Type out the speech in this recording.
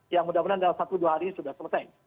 yang mudah mudahan dalam satu dua hari sudah selesai